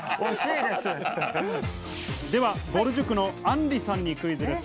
では、ぼる塾のあんりさんにクイズです。